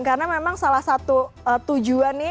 karena memang salah satu tujuan nih